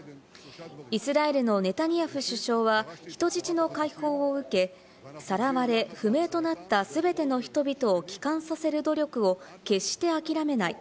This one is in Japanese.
イスラエルのネタニヤフ首相は人質の解放を受け、さらわれ、不明となった全ての人々を帰還させる努力を決して諦めない。